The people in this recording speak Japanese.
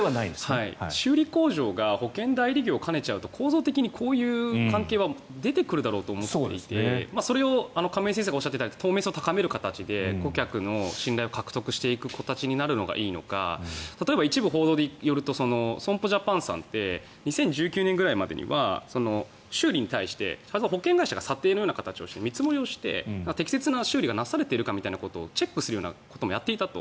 修理工場が保険代理業を兼ねちゃうとこういう関係は出てくると思っていてそれを亀井先生がおっしゃっていたように透明性を高める形で顧客の信頼を高める形になっていくのがいいのか例えば一部報道によると損保ジャパンって２０１９年ぐらいまでには修理に対して保険会社が査定のような形で見積もりをして適切な整備がされているかチェックするようなこともやっていたと。